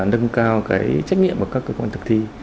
nâng cao cái trách nhiệm của các cơ quan thực thi